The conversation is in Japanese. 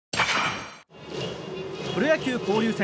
プロ野球交流戦。